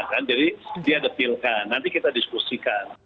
jadi dia detilkan nanti kita diskusikan